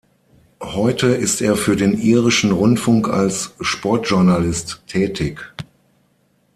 Heute ist er für den irischen Rundfunk als Sportjournalist tätig.